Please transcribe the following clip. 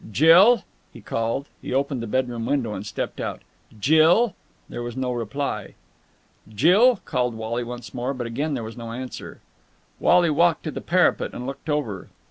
"Jill!" he called. He opened the bedroom window and stepped out. "Jill!" There was no reply. "Jill!" called Wally once again, but again there was no answer. Wally walked to the parapet, and looked over.